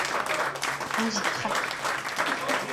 komzit krak.